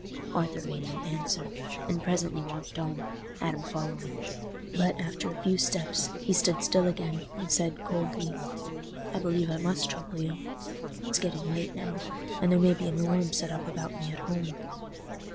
Arthur made no answer, and presently walked on, Adam following. But, after a few steps, he stood still again, and said, coldly, "I believe I must trouble you. It's getting late now, and there may be an alarm set up about me at home."